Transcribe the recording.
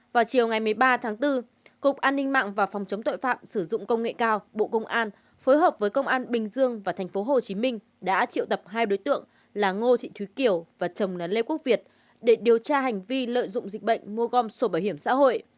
vào chiều ngày một mươi ba tháng bốn cục an ninh mạng và phòng chống tội phạm sử dụng công nghệ cao bộ công an phối hợp với công an bình dương và tp hcm đã triệu tập hai đối tượng là ngô thị thúy kiều và chồng là lê quốc việt để điều tra hành vi lợi dụng dịch bệnh mua gom sổ bảo hiểm xã hội